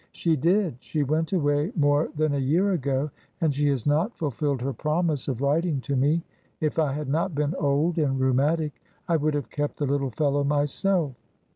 "She did. She went away more than a year ago, and she has not fulfilled her promise of writing to me. If I had not been old and rheumatic I would have kept the little fellow myself."